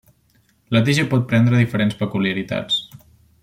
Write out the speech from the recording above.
La tija pot prendre diferents peculiaritats.